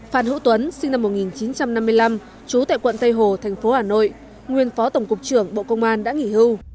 phan hữu tuấn sinh năm một nghìn chín trăm năm mươi năm trú tại quận tây hồ thành phố hà nội nguyên phó tổng cục trưởng bộ công an đã nghỉ hưu